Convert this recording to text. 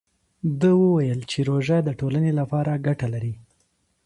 ده وویل چې روژه د ټولنې لپاره ګټه لري.